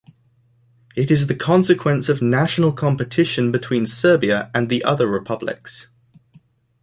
It is the consequence of national competition between Serbia and the other republics.